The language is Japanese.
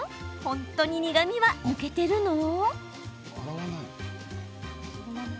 本当に苦みは抜けてるの？